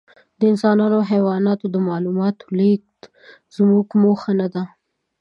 د انسانانو او حیواناتو د معلوماتو لېږد زموږ موخه نهده.